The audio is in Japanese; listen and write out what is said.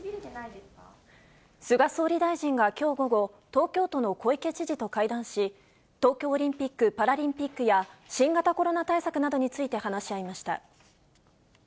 菅総理大臣がきょう午後、東京都の小池知事と会談し、東京オリンピック・パラリンピックや、新型コロナ対策などについて話し合いました。